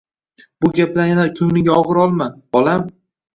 Bu gaplarni yana ko`nglingga og`ir olma, bolam